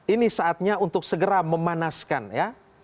ini saatnya untuk segera memanaskan ya